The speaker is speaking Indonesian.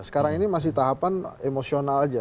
sekarang ini masih tahapan emosional aja